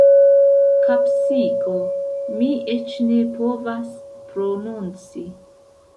Kapsiko... mi eĉ ne povas prononci.